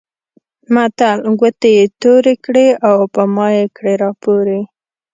متل؛ ګوتې يې تورې کړې او په مايې کړې راپورې.